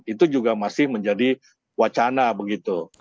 itu juga masih menjadi wacana begitu